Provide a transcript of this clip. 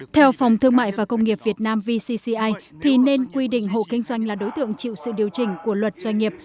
theo phòng thương mại và công nghiệp việt nam vcci thì nên quy định hộ kinh doanh là đối tượng chịu sự điều chỉnh của luật doanh nghiệp